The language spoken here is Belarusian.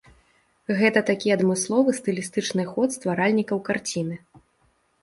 Гэта такі адмысловы стылістычны ход стваральнікаў карціны.